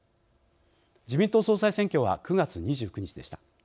自民党総裁選は９月２９日でした。